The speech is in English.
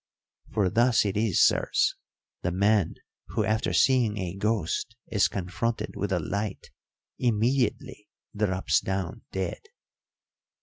"For thus it is, sirs, the man who after seeing a ghost is confronted with a light immediately drops down dead."